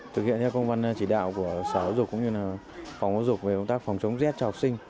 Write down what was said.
thực hiện theo công văn chỉ đạo của xã hội dục cũng như phòng hội dục về công tác phòng chống rét cho học sinh